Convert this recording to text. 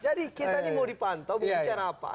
jadi kita ini mau di pantau mau bicara apa